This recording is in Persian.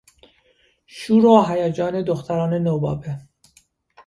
شور و هیجان دختران نوباوه